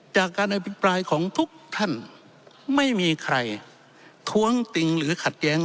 จากการอภิปรายของทุกท่านไม่มีใครท้วงติงหรือขัดแย้ง